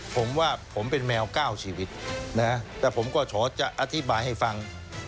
ผมว่าผมเป็นแมว๙ชีวิตนะแต่ผมก็ขอจะอธิบายให้ฟัง